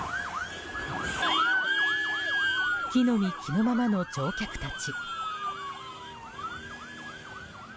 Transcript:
着の身着のままの乗客たち。